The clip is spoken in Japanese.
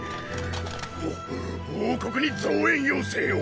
お王国に増援要請を。